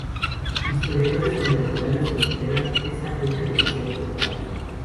Historiadores contemporáneos consideran esta fecha demasiado temprana.